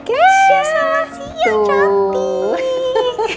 keisha selamat siang cantik